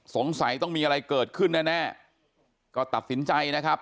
สงสัยต้องมีอะไรเกิดขึ้นแน่แน่ก็ตัดสินใจนะครับ